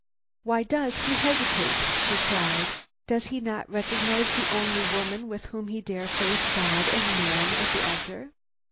"Why does he hesitate?" she cried. "Does he not recognize the only woman with whom he dare face God and man at the altar?